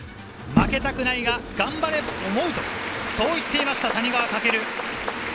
負けたくないが、頑張れと思う、そう言ってました谷川翔。